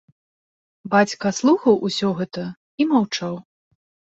Бацька слухаў усё гэта і маўчаў.